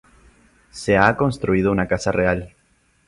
Se ha construido una casa real.